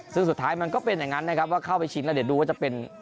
ซึ่งสุดท้ายมันก็เป็นอย่างนั้นนะครับว่าเข้าไปชิงแล้วเดี๋ยวดูว่าจะเป็น